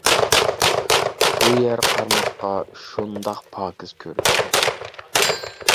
بۇ يەر قارىماققا شۇنداق پاكىز كۆرۈندى.